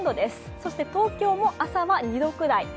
そして東京も朝は２度くらい。